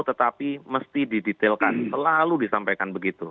tetapi mesti didetailkan selalu disampaikan begitu